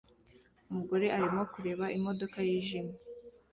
Umugore arimo kureba imodoka yijimye